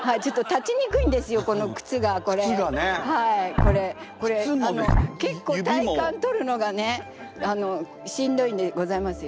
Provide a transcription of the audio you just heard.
これこれあの結構体幹とるのがねしんどいんでございますよ。